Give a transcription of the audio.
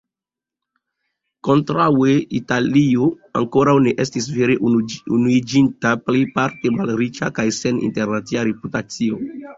Kontraŭe Italio ankoraŭ ne estis vere unuiĝinta, plejparte malriĉa kaj sen internacia reputacio.